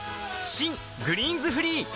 新「グリーンズフリー」